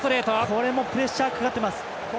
これもプレッシャーかかってます。